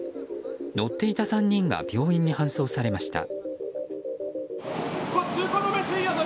乗っていた３人が病院に搬送されました。